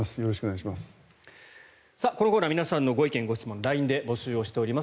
このコーナー皆さんのご意見・ご質問をＬＩＮＥで募集しています。